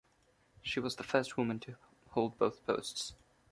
She was the first woman to hold both posts.